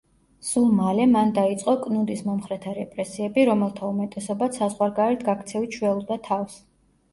სულ მალე, მან დაიწყო კნუდის მომხრეთა რეპრესიები, რომელთა უმეტესობაც საზღვარგარეთ გაქცევით შველოდა თავს.